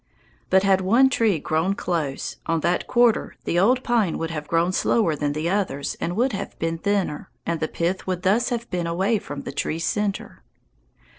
But had one tree grown close, on that quarter the old pine would have grown slower than the others and would have been thinner, and the pith would thus have been away from the tree's centre.